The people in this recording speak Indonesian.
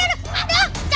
iya apa sih